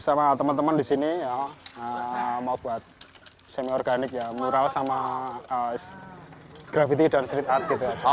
sama teman teman di sini ya mau buat semi organik ya mural sama gravity dan street art gitu